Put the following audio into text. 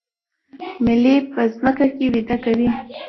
ملی په ځمکه کې وده کوي